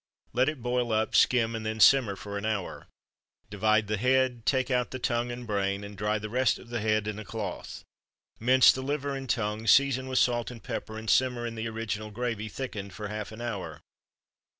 Let it boil up, skim, and then simmer for an hour. Divide the head, take out the tongue and brain, and dry the rest of the head in a cloth. Mince the liver and tongue, season with salt and pepper, and simmer in the original gravy (thickened) for half an hour.